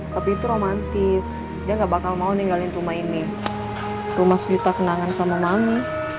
tapi itu romantis dia gak bakal mau ninggalin rumah ini rumah suta kenangan sama manggi